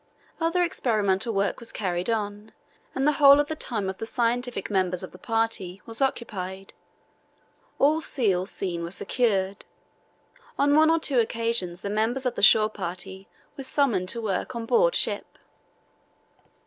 Other experimental work was carried on, and the whole of the time of the scientific members of the party was occupied. All seals seen were secured. On one or two occasions the members of the shore party were summoned to work on board ship.